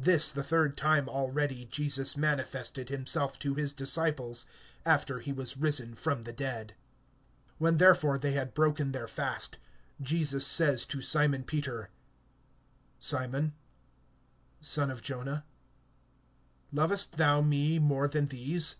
(14)This the third time already, Jesus manifested himself to his disciples, after he was risen from the dead. (15)When therefore they had broken their fast, Jesus says to Simon Peter: Simon, son of Jonah, lovest thou me more than these?